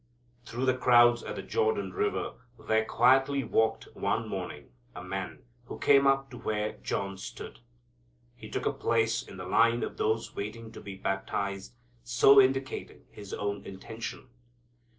Through the crowds at the Jordan River, there quietly walked one morning a Man who came up to where John stood. He took a place in the line of those waiting to be baptized, so indicating His own intention.